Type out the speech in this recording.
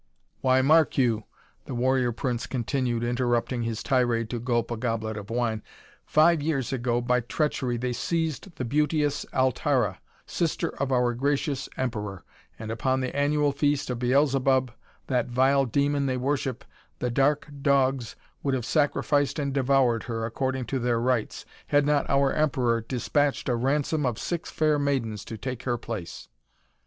Why, mark you," the warrior prince continued, interrupting his tirade to gulp a goblet of wine, "five years ago, by treachery, they seized the beauteous Altara, sister of our gracious Emperor, and upon the annual feast of Beelzebub, that vile demon they worship, the dark dogs would have sacrificed and devoured her, according to their rites, had not our Emperor dispatched a ransom of six fair maidens to take her place.